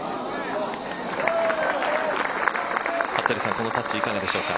このタッチ、いかがでしょうか？